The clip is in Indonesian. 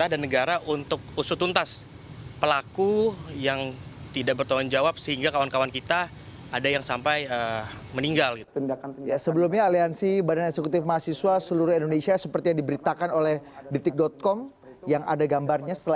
yang justru tidak mendengar aspirasi dari rakyatnya